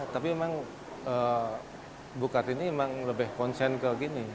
tapi memang bu kartini memang lebih konsen ke gini